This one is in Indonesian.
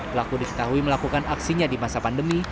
pelaku diketahui melakukan aksinya di masa pandemi